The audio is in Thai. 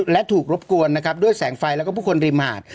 และถูกรบกวนนะครับด้วยแสงไฟแล้วก็ผู้คนริมหาด